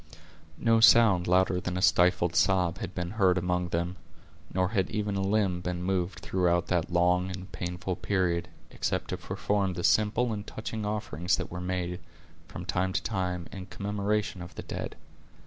No sound louder than a stifled sob had been heard among them, nor had even a limb been moved throughout that long and painful period, except to perform the simple and touching offerings that were made, from time to time, in commemoration of the dead.